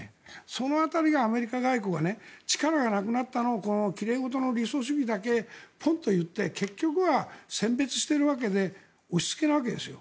その辺りがアメリカ外交が力がなくなったのをきれいごとの理想主義だけポンと言って結局は選別してるわけであって押し付けてるんです。